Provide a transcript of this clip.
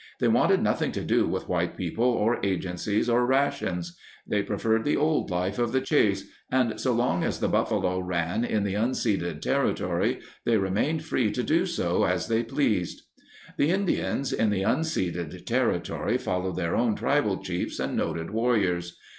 They wanted noth ing to do with white people or agencies or rations. They preferred the old life of the chase, and so long as the buffalo ran in the unceded territory they remained free to do as they pleased. The Indians in the unceded territory followed their own tribal chiefs and noted warriors.